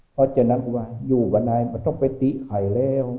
เพราะฉะนั้นอยู่กับนายมันต้องไปตีไข่แล้ว